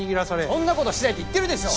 そんな事してないって言ってるでしょう！